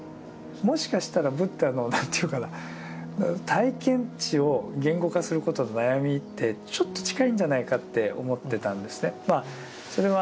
もしかしたらブッダの何ていうかな体験知を言語化することの悩みってちょっと近いんじゃないかって思ってたんですね。